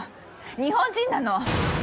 日本人なの。